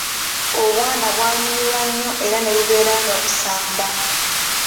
Obwana bwanyumirwa nnyo era ne bubeera nga busamba.